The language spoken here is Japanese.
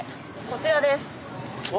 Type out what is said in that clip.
こちらです。